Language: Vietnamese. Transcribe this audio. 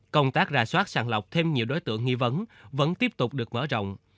công tác ra soát sàng lọc thêm nhiều đối tượng nghi vấn vẫn tiếp tục được mở rộng